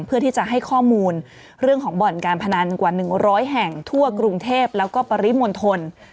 เพื่อที่จะให้ข้อมูลเรื่องของบ่อนการพนันกว่า๑๐๐แห่งทั่วกรุงเทพแล้วก็ปริมณฑล